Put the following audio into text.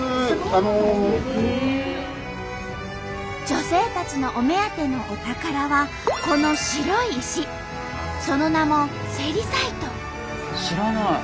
女性たちのお目当てのお宝はこの白い石その名も知らない。